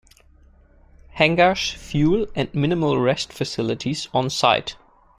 Hangars, fuel, and minimal rest facilities on site.